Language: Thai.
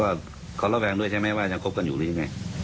แล้วเค้าโล่บแฟนด้วยใช่ไหมว่ายังครบกันอยู่เลยใช่ไหม